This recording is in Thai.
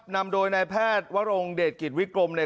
นำโดยนายแพทย์วรงเดชกิจวิกรมเนี่ย